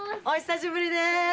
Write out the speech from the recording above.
おひさしぶりです。